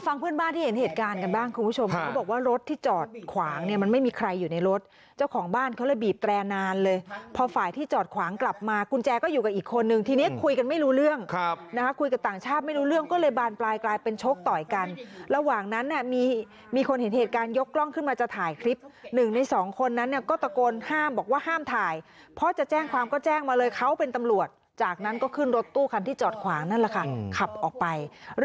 ฟังเพื่อนบ้านที่เห็นเหตุการณ์กันบ้างคุณผู้ชมเขาบอกว่ารถที่จอดขวางมันไม่มีใครอยู่ในรถเจ้าของบ้านเขาเลยบีบแตรนนานเลยพอฝ่ายที่จอดขวางกลับมากุญแจก็อยู่กับอีกคนนึงทีนี้คุยกันไม่รู้เรื่องคุยกับต่างชาติไม่รู้เรื่องก็เลยบานปลายกลายเป็นโชคต่อยกันระหว่างนั้นมีคนเห็นเหตุการณ์ยกกล้องขึ้นมาจะถ่าย